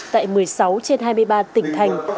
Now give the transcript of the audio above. tại một mươi sáu trên hai mươi ba tỉnh thành